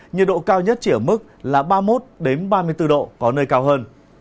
nhiệt độ cao nhất chỉ ở mức là ba mươi một ba mươi bốn độ có nơi cao hơn